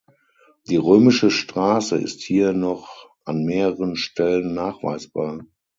Die römische Straße ist hier noch an mehreren Stellen nachweisbar.